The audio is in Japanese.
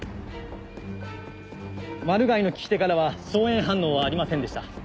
マルガイの利き手からは硝煙反応はありませんでした。